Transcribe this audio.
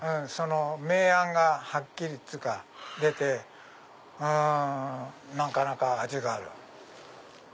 明暗がはっきり出てなかなか味がある。